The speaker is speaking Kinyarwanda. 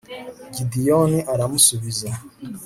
gideyoni aramusubiza